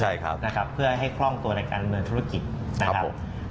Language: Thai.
ใช่ครับนะครับเพื่อให้คล่องตัวในการดำเนินธุรกิจนะครับ